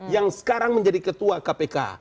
yang sekarang menjadi ketua kpk